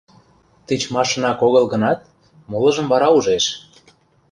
Тичмашынак огыл гынат, молыжым вара ужеш.